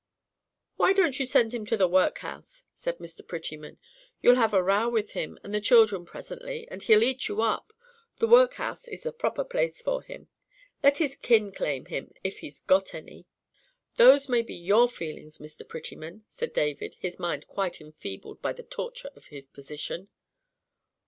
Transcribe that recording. "Why don't you send him to the workhouse?" said Mr. Prettyman. "You'll have a row with him and the children presently, and he'll eat you up. The workhouse is the proper place for him; let his kin claim him, if he's got any." "Those may be your feelings, Mr. Prettyman," said David, his mind quite enfeebled by the torture of his position.